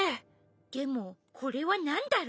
でもこれはなんだろ！？